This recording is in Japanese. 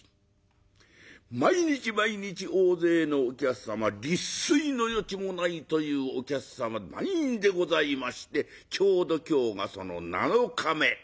毎日毎日大勢のお客様立錐の余地もないというお客様満員でございましてちょうど今日がその７日目。